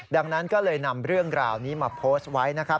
ดังนั้นก็เลยนำเรื่องราวนี้มาโพสต์ไว้นะครับ